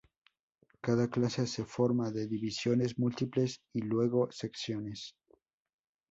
Cada clase se forma de divisiones múltiples y luego secciones.